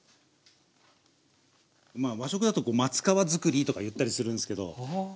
和食だと松皮造りとか言ったりするんすけど。